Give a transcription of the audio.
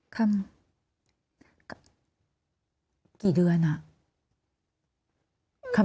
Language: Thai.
คำกี่เดือนอ่ะ